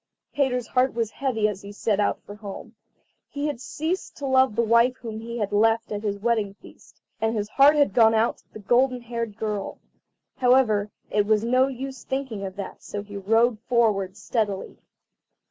Peter's heart was heavy as he set out for home. He had ceased to love the wife whom he had left at his wedding feast, and his heart had gone out to the golden haired girl. However, it was no use thinking of that, so he rode forward steadily.